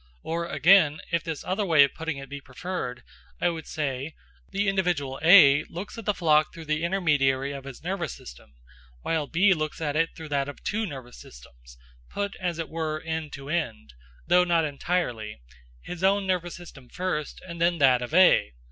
Or, again, if this other way of putting it be preferred, I would say: the individual A looks at the flock through the intermediary of his nervous system, while B looks at it through that of two nervous systems, put as it were end to end (though not entirely), his own nervous system first, and then that of A.